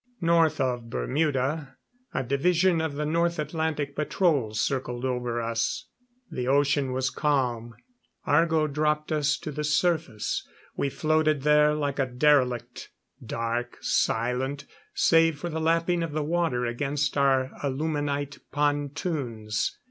North of Bermuda, a division of the North Atlantic patrol circled over us. The ocean was calm. Argo dropped us to the surface. We floated there like a derelict dark, silent, save for the lapping of the water against our aluminite pontoons.